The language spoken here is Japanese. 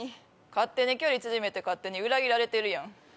勝手に距離縮めて勝手に裏切られてるやん。